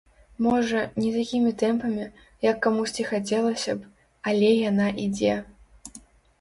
Можа, не такімі тэмпамі, як камусьці хацелася б, але яна ідзе.